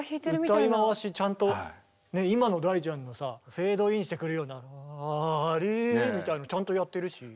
歌い回しちゃんと今の大ちゃんのさフェードインしてくるような「ラリ」みたいなのちゃんとやってるし。